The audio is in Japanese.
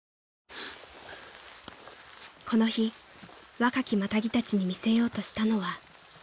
［この日若きマタギたちに見せようとしたのは］